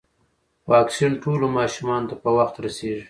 واکسین ټولو ماشومانو ته په وخت رسیږي.